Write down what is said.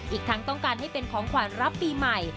อีกทั้งต้องการให้เป็นของขวัญรับปีใหม่